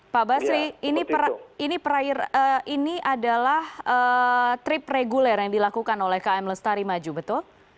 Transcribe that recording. pak basri ini adalah trip reguler yang dilakukan oleh km lestari maju betul